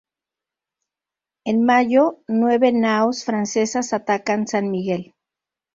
En mayo nueve naos francesas atacan San Miguel.